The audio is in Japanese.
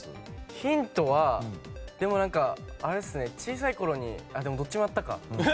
ヒントは、小さいころにあ、でもどっちもやったか。